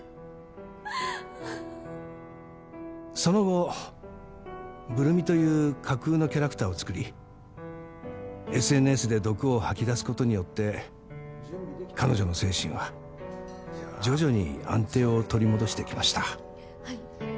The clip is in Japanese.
その後ブル美という架空のキャラクターを作りＳＮＳで毒を吐き出すことによって彼女の精神は徐々に安定を取り戻していきました。